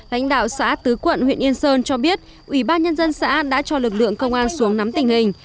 lãnh đạo xã tứ quận huyện yên sơn cho biết ủy ban nhân dân xã đã cho lực lượng công an xuống nắm tình hình